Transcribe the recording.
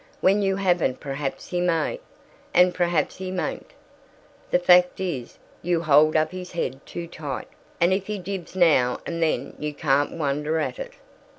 When you haven't perhaps he may, and perhaps he mayn't. The fact is, you hold up his head too tight, and if he jibs now and then you can't wonder at it."